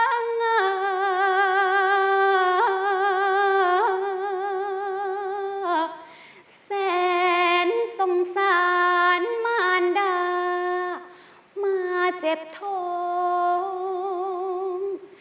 อะอะงาแสนสงสารมารดามาเจ็บท้อง